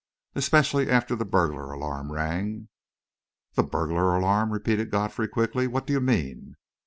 Especially, after the burglar alarm rang." "The burglar alarm?" repeated Godfrey quickly. "What do you mean?"